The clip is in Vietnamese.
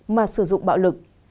mà sử dụng bạo lực